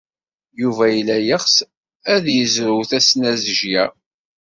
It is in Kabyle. Yuba yella yeɣs ad yezrew tasnajya.